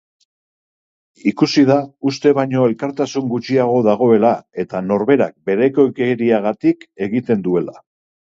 Ikusi da uste baino elkartasun gutxiago dagoela eta norberak berekoikeriagatik ekiten duela.